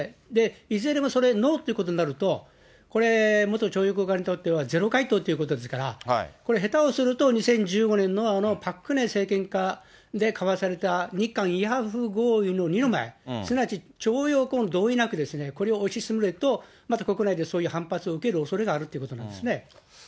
いずれもそれ、ノーっていうことになると、これ、元徴用工側にとっては、ゼロ回答ということですから、これ、下手をすると、２０１５年の、あのパク・クネ政権下で交わされた日韓慰安婦合意の二の舞、すなわち、徴用工の同意なく、これを推し進めると、また国内でそういう反発を受けるおそれがあるということなんです